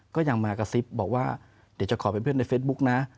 ก็ยังมากระซิบบอกว่าเดี๋ยวจะขอเป็นเพื่อนในเฟซบุ๊กนะ